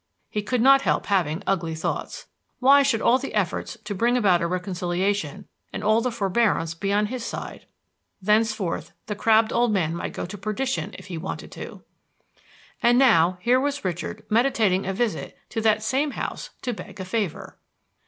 He could not help having ugly thoughts. Why should all the efforts to bring about a reconciliation and all the forbearance be on his side? Thenceforth the crabbed old man might go to perdition if he wanted to. And now here was Richard meditating a visit to that same house to beg a favor!